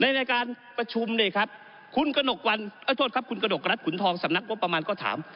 ในรายการประชุมเนี่ยครับคุณกระหนกรัฐขุนทองสำนักวงประมาณก็ถาม